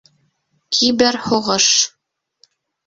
Киберһуғыш